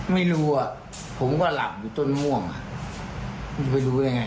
ไม่รู้อ่ะผมก็หลับอยู่จนม่วงคุณจะไปดูอย่างไร